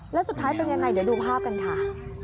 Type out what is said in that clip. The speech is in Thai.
แล้วสุดท้ายเป็นยังไงเดี๋ยวดูภาพกันค่ะ